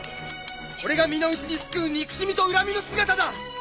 これが身の内に巣くう憎しみと恨みの姿だ！